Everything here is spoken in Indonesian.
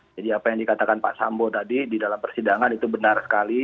jadi apa yang dikatakan pak sambo tadi di dalam persidangan itu benar sekali